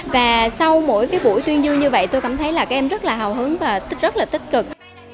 và sau mỗi cái buổi tuyên dư như vậy tôi cảm thấy là các em rất là hào hứng và rất là tích cực